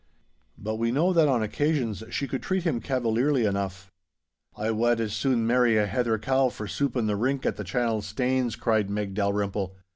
But we know that on occasions she could treat him cavalierly enough. 'I wad as sune mairry a heather cow for soopin' the rink at the channel stanes,' cried Meg Dalrymple.